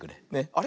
あれ？